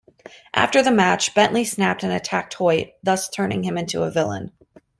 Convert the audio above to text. After the match, Bentley snapped and attacked Hoyt, thus turning him into a villain.